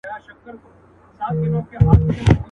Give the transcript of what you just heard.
که به له یوې ښځي څخه یو ناوړه کار وسو